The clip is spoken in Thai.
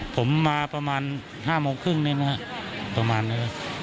ผมมาประมาณ๕โมงครึ่งนี่นะครับประมาณนั้น